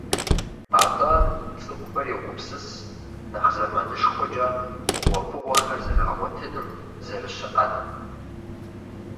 АтӀэ цӀыхур йогупсыс нэхъ зэманышхуэкӀэ хъугъуэфӀыгъуэхэр зэрагъуэтыным, зэрыщыӀэным.